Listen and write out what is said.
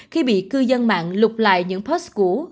khi bị cư dân mạng lục lại những post cũ